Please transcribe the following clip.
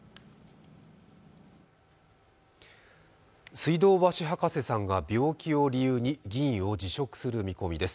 水道橋博士さんが病気を理由に議員を辞職する見込みです。